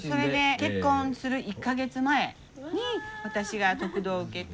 結婚する１か月前に私が得度を受けた。